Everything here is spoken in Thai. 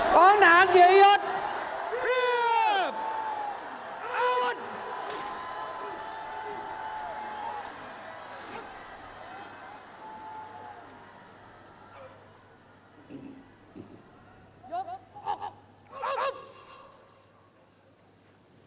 วัฒนิยาพุทธ